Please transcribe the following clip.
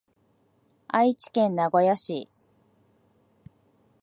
愛知県名古屋市